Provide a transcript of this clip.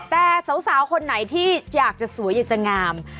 แต่สาวคนไหนที่อยากจะสวยอยากจะงาม